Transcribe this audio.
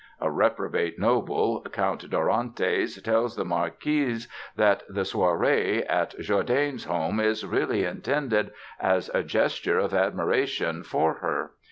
A reprobate noble, Count Dorantes, tells the Marquise that the soirée at Jourdain's home is really intended as a gesture of admiration for her.